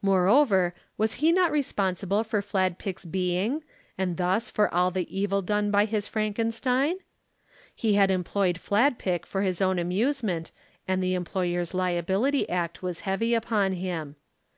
Moreover, was he not responsible for Fladpick's being, and thus for all the evil done by his Frankenstein? He had employed Fladpick for his own amusement and the Employers' Liability Act was heavy upon him.